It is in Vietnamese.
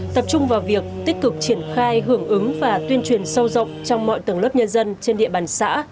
tập trung vào việc tích cực triển khai hưởng ứng và tuyên truyền sâu rộng trong mọi tầng lớp nhân dân trên địa bàn xã